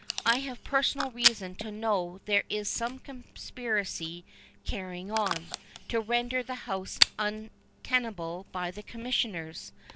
"I have personal reason to know there is some conspiracy carrying on, to render the house untenable by the Commissioners.